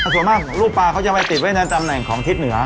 ส่วนมากรูปปลาเขาจะไปติดไว้ในตำแหน่งของทิศเหนือ